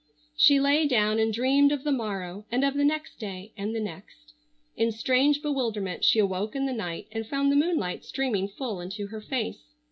She lay down and dreamed of the morrow, and of the next day, and the next. In strange bewilderment she awoke in the night and found the moonlight streaming full into her face.